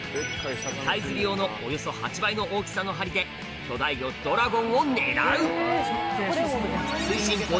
鯛釣り用のおよそ８倍の大きさの針で巨大魚ドラゴンを狙う！